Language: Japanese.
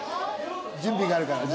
準備があるからね。